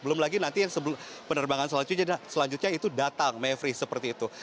belum lagi nanti yang sebelum penerbangan selanjutnya itu datang mevri seperti itu